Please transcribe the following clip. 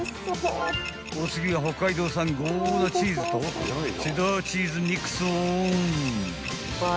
［お次は北海道産ゴーダチーズとチェダーチーズミックスをオン］